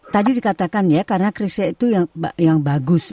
tadi dikatakan ya karena krisis itu yang bagus